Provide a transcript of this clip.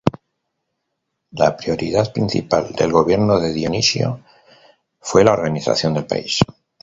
La prioridad principal del gobierno de Dionisio fue la organización del país.